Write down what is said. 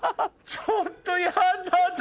ちょっとやだ私。